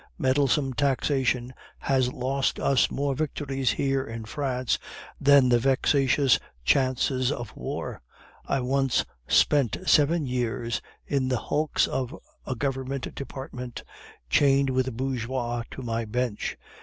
Meddlesome taxation has lost us more victories here in France than the vexatious chances of war. I once spent seven years in the hulks of a government department, chained with bourgeois to my bench.